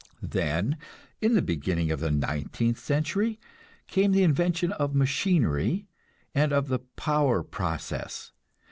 Then, in the beginning of the nineteenth century, came the invention of machinery and of the power process.